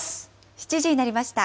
７時になりました。